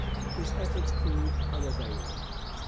His efforts proved unavailing.